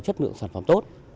chất lượng sản phẩm tốt